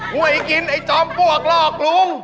หวยกินไอ้จอมปลวกล่อลุง